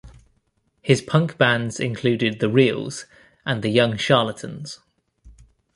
His punk bands included the Reals and the Young Charlatans.